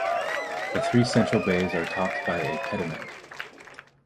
The three central bays are topped by a pediment.